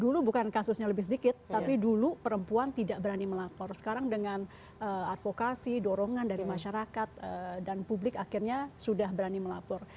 dulu bukan kasusnya lebih sedikit tapi dulu perempuan tidak berani melapor sekarang dengan advokasi dorongan dari masyarakat dan publik akhirnya sudah berani melapor